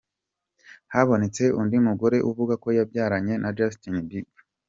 Habonetse undi mugore uvuga ko yabyaranye na Justin Bieber.